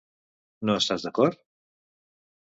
No estàs d'acord?